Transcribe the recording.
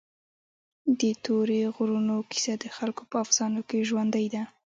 د تورې غرونو کیسه د خلکو په افسانو کې ژوندۍ ده.